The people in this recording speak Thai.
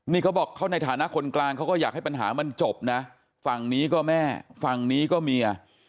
นี่เขาบอกเขาในฐานะคนกลางเขาก็อยากให้ปัญหามันจบนะฝั่งนี้ก็แม่ฝั่งนี้ก็เมีย